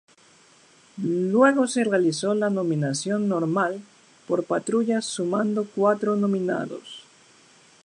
Luego se realizó la nominación normal por patrullas sumando cuatro nominados.